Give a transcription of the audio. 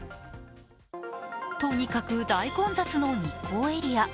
とにかく大混雑の日光エリア。